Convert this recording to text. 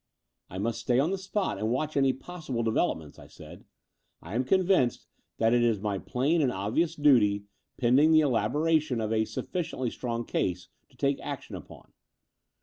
"I must stay on the spot and watch any possible developments," I said. "I am convinced that it is my plain and obvious duty, pending the elabora tion of a sufficiently strong case to take action upon.